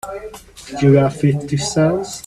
You got fifty cents?